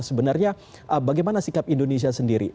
sebenarnya bagaimana sikap indonesia sendiri